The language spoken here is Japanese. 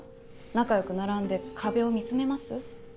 仲良く並んで壁を見つめます？